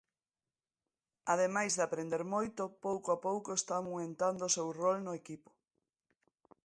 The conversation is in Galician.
Ademais de aprender moito, pouco a pouco está aumentando o seu rol no equipo.